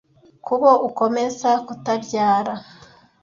kubo ukomeza kutabyara